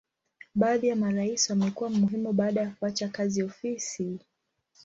Baadhi ya marais wamekuwa muhimu baada ya kuacha kazi ofisi.